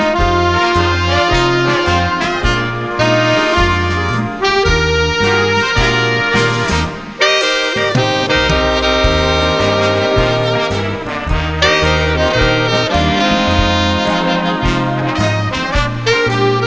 ก็ย่างคิดของคุณ